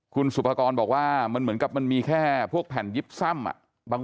คุณสุภากรบอกว่ามันเหมือนกับมันมีแค่พวกแผ่นยิบซ่ำ